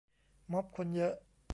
ม๊อบคนเยอะ